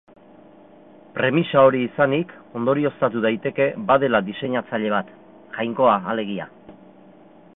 Premisa hori izanik, ondorioztatu daiteke badela diseinatzaile bat, Jainkoa alegia.